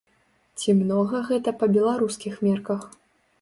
Ці многа гэта па беларускіх мерках?